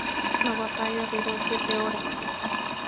La batalla duró siete horas.